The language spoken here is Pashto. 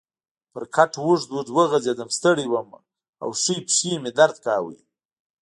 پر کټ اوږد اوږد وغځېدم، ستړی وم او ښۍ پښې مې درد کاوه.